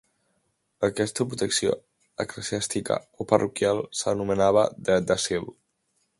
Aquesta protecció eclesiàstica o parroquial se l'anomenava Dret d'Asil.